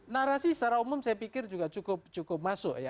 narasi secara umum saya pikir juga cukup masuk ya